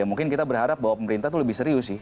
mungkin kita berharap bahwa pemerintah itu lebih serius sih